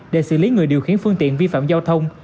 để xử lý người điều khiển phương tiện vi phạm giao thông